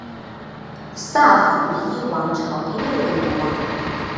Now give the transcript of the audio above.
萨伏伊王朝第六任国王。